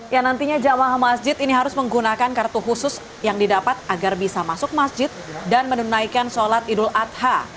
ya nantinya jemaah masjid ini harus menggunakan kartu khusus yang didapat agar bisa masuk masjid dan menunaikan sholat idul adha